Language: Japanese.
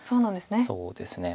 そうですね。